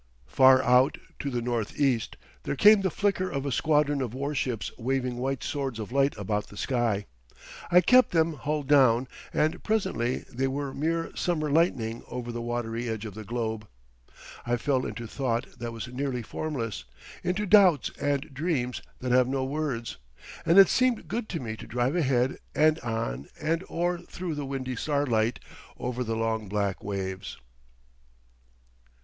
Far out to the northeast there came the flicker of a squadron of warships waving white swords of light about the sky. I kept them hull down, and presently they were mere summer lightning over the watery edge of the globe.... I fell into thought that was nearly formless, into doubts and dreams that have no words, and it seemed good to me to drive ahead and on and or through the windy starlight, over the long black waves.